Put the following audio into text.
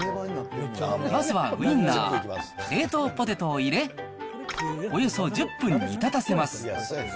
まずはウインナー、冷凍ポテトを入れ、およそ１０分煮立たせます。